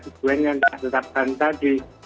tujuan yang ditetapkan tadi